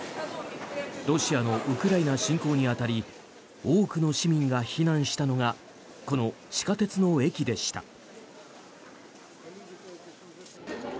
ロシアのウクライナ侵攻に当たり多くの市民が避難したのがこの地下鉄の駅でした。